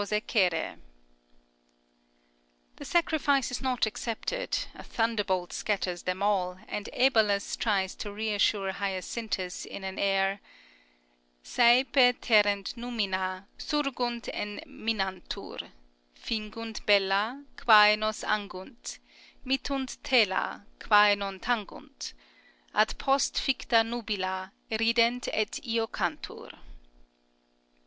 The sacrifice is not accepted; a thunderbolt scatters them all, and Æbalus tries to reassure Hyacinthus in an air: Sæpe terrent numina, Surgunt et minantur, Fingunt bella Quae nos angunt Mittunt tela Quae non tangunt; At post ficta nubila Rident et iocantur.